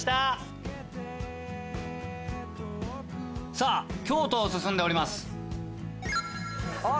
さぁ京都を進んでおります。